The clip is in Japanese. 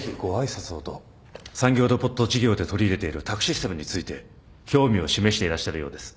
産業ロボット事業で取り入れている宅・システムについて興味を示していらっしゃるようです。